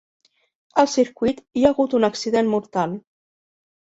Al circuit hi ha hagut un accident mortal.